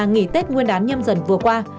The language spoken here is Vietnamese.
nghỉ tết nguyên đán nhâm dần vừa qua